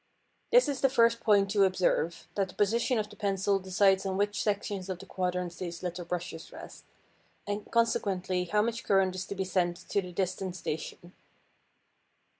This is the first point to observe, that the position of the pencil decides on which sections of the quadrants these little brushes rest, and consequently how much current is to be sent to the distant station.